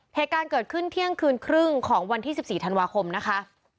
เหตุการณ์เกิดขึ้นเที่ยงคืนครึ่งของวันที่๑๔ธันวาคมนะคะ